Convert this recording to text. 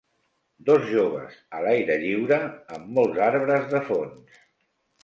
Dos joves a l'aire lliure, amb molts arbres de fons.